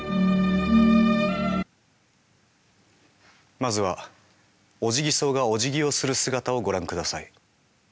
まずはオジギソウがおじぎをする姿をご覧ください。